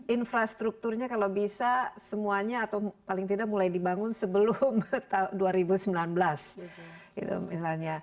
infrastrukturnya kalau bisa semuanya atau paling tidak mulai dibangun sebelum tahun dua ribu sembilan belas gitu misalnya